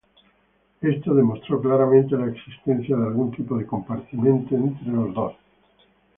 Esto demostró claramente la existencia de algún tipo de compartimiento entre los dos.